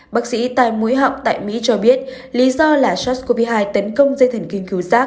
bác sĩ tài mũi họng tại mỹ cho biết lý do là sars cov hai tấn công dây thần kinh khứ giác